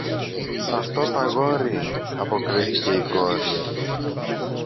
Σ' αυτό το αγόρι, αποκρίθηκε η κόρη